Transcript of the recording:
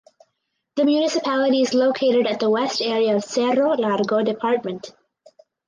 The municipality is located at the west area of Cerro Largo Department.